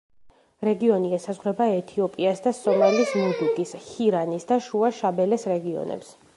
რეგიონი ესაზღვრება ეთიოპიას და სომალის მუდუგის, ჰირანის და შუა შაბელეს რეგიონებს.